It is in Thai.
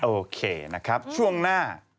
โอเคนะครับช่วงหน้า